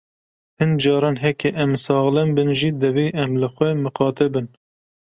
Hin caran heke em saxlem bin jî divê em li xwe miqate bin.